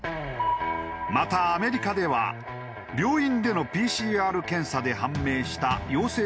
またアメリカでは病院でのＰＣＲ検査で判明した陽性者のみを把握。